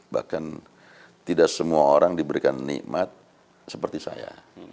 bahkan tidak semua orang diberikan nikmat seperti saya